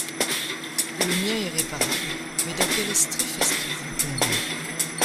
le mien est réparable, mais dans quel estrif estes-vous tombée ?